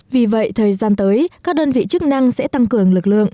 vì vậy thời gian tới các đơn vị chức năng sẽ tăng cường lực lượng